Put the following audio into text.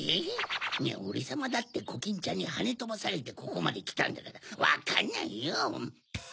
いやオレさまだってコキンちゃんにはねとばされてここまできたんだからわかんないよ！